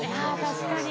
あ確かに。